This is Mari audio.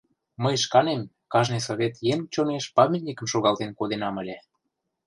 — Мый шканем кажне совет еҥ чонеш памятникым шогалтен коденам ыле.